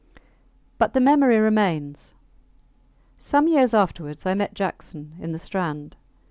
But the memory remains. Some years afterwards I met Jackson, in the Strand.